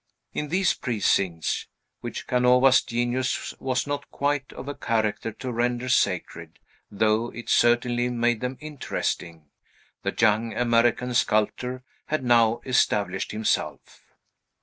In these precincts (which Canova's genius was not quite of a character to render sacred, though it certainly made them interesting) the young American sculptor had now established himself.